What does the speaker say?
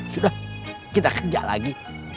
sudah kita kerja lagi